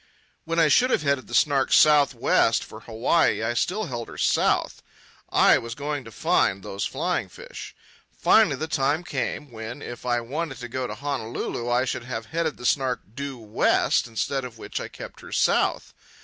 When I should have headed the Snark south west for Hawaii, I still held her south. I was going to find those flying fish. Finally the time came when, if I wanted to go to Honolulu, I should have headed the Snark due west, instead of which I kept her south.